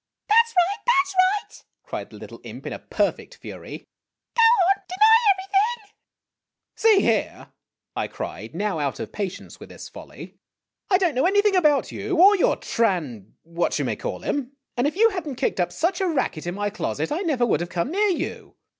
o "That 's right, that 's right!" cried the little imp in a perfect fury. " Go on deny everything !"" See here !' I cried, now out of patience with his folly, " I don't know anything about you or your Tran what you may call him, and if you had n't kicked up such a racket in my closet I THE SATCHEL 181 never would have come near you